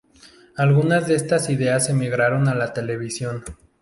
Algunas de estas ideas emigraron a la televisión.